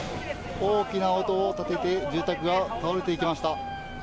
大きな音を立てて住宅が倒れていきました。